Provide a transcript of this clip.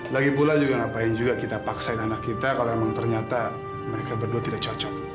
lagi pula juga ngapain juga kita paksain anak kita kalau memang ternyata mereka berdua tidak cocok